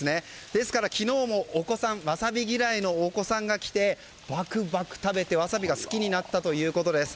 ですから、昨日もわさび嫌いのお子さんが来てバクバク食べてわさびが好きになったということです。